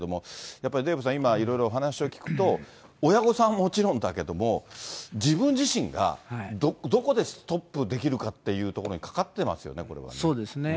やっぱりデーブさん、今、いろいろお話を聞くと、親御さんもちろんだけど、自分自身がどこでストップできるかってことにかかってますよね、そうですね。